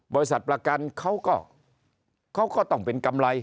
บริษัทประกันเขาก็ต้องเป็นกำไร